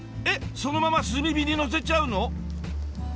そのまま炭火にのせちゃうの？